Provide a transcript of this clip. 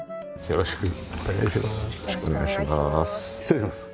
よろしくお願いします。